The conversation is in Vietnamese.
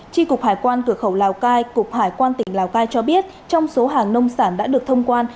tri cục hải quan cửa khẩu lào cai cục hải quan tỉnh lào cai cho biết trong số hàng nông sản đã được thông quan